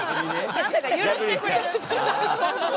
なんでか許してくれる。